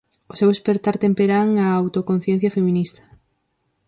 O seu espertar temperán á autoconciencia feminista.